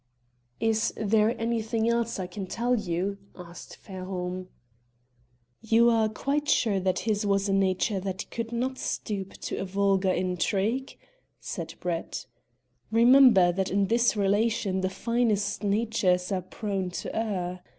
"Is there anything else I can tell you?" asked Fairholme. "You are quite sure that his was a nature that could not stoop to a vulgar intrigue?" said Brett. "Remember that in this relation the finest natures are prone to err.